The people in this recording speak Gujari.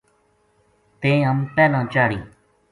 تیں ہم پہلاں چاڑھی